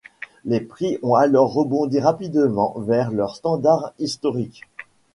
Les prix ont alors rebondi rapidement vers leurs standards historiques.